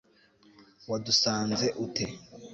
wadusanze ute